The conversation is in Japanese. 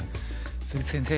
鈴木先生